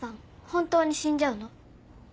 本当に死んじゃうの？